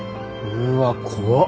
うわ怖っ。